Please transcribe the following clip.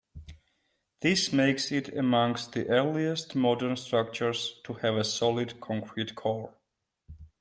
This makes it amongst the earliest modern structures to have a solid concrete core.